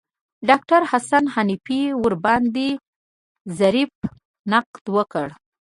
ډاکتر حسن حنفي ورباندې ظریف نقد وکړ.